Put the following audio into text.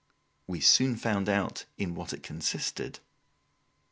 We soon found out in what it consisted.